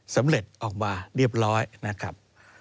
สำเร็จออกมาเรียบร้อยนะครับ